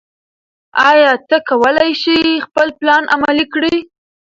ایا ته کولای شې خپل پلان عملي کړې؟